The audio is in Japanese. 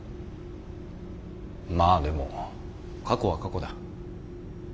まあでも過去は過去だ。